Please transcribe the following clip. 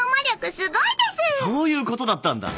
そういうことだったんだ。